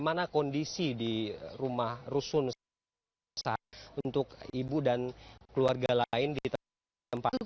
bagaimana kondisi di rumah rusun untuk ibu dan keluarga lain di tempat